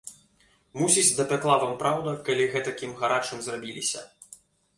Мусіць, дапякла вам праўда, калі гэтакім гарачым зрабіліся.